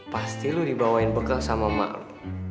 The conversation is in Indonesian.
pasti lo dibawain bekar sama emak lo